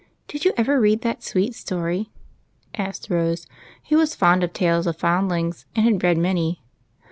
Did you ever read that sweet story ?" asked Rose, who was fond of tales of found Ungs, and had read many.